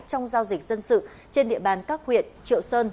trong giao dịch dân sự trên địa bàn các huyện triệu sơn